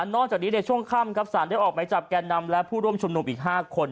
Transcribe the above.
จากนี้ในช่วงค่ำครับสารได้ออกไหมจับแก่นำและผู้ร่วมชุมนุมอีก๕คน